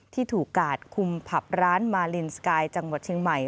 ที่ถูกกาดคุมผับร้านมาลินสกายจังหวัดเชียงใหม่